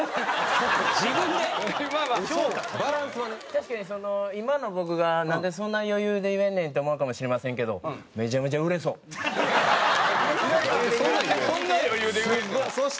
確かにその今の僕がなんでそんな余裕で言えんねんって思うかもしれませんけどそんな余裕で言えるの？